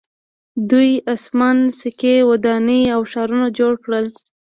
دوی اسمان څکې ودانۍ او ښارونه جوړ کړل.